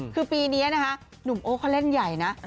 คือปีนี้นะคะหนุ่มโอ้เขาเล่นใหญ่นะ